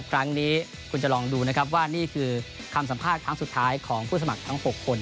ครั้งนี้คุณจะลองดูว่านี่คือสัมภาษณ์เท่านั้นสุดท้ายของผู้สมัครทั้ง๖คน